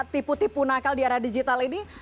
tipu tipu nakal di era digital ini